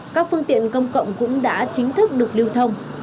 các phương tiện công cộng cũng đã chính thức được lưu thông